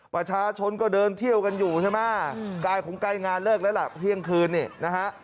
ประชาชนก็เดินเที่ยวกันอยู่ใช่ไหมกายของกายงานเลิกแล้วล่ะเที่ยงคืนนี่นะฮะ